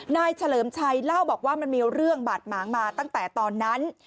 เฉลิมชัยเล่าบอกว่ามันมีเรื่องบาดหมางมาตั้งแต่ตอนนั้น